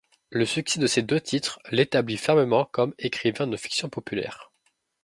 Le succès de ces deux titres l'établit fermement comme écrivain de fiction populaire.